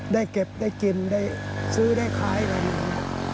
ได้เก็บได้กินได้ซื้อได้ขายอะไรอย่างนี้